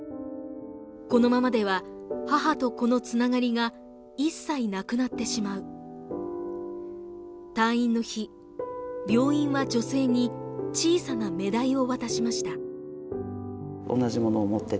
このままでは母と子のつながりが一切なくなってしまう退院の日病院は女性に小さなメダイを渡しました